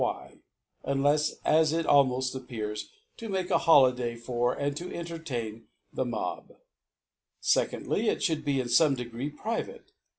(193 ) why^ Unlets, as kaimofl; appears, to make a Holiday for, and to entertain the Mob. "• Secondly^ It fhould be in fome degree private.